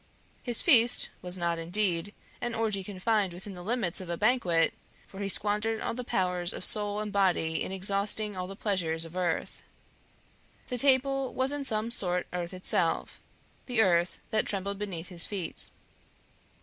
His feast was not, indeed, an orgy confined within the limits of a banquet, for he squandered all the powers of soul and body in exhausting all the pleasures of earth. The table was in some sort earth itself, the earth that trembled beneath his feet.